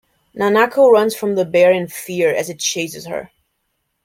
Nanako runs from the bear in fear as it chases her.